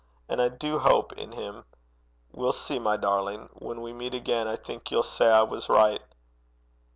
And I do hope in him. We'll see, my darling. When we meet again I think you'll say I was right.'